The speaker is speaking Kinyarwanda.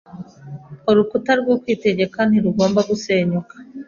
Urukuta rwo kwitegeka ntirugomba gusenyuka